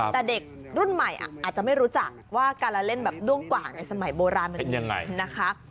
แต่เด็กรุ่นใหม่อาจจะไม่รู้จักว่าการละเล่นแบบด้วงกว่างในสมัยโบราณมันเป็นยังไงนะคะ